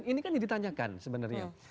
ini kan ditanyakan sebenarnya